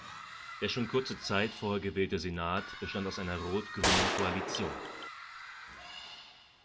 Der schon kurze Zeit vorher gewählte Senat bestand aus einer Rot-grünen Koalition.